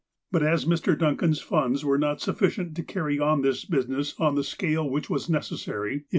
But as Mr. Duncan's funds were not sufficient to carry on this business on the scale which was necessary, if it EDUCATKJXAI.